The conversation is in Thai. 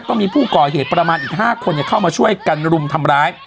ก็มีผู้ก่อเหตุประมาณอีก๕คนเข้ามาช่วยกันรุมทำร้าย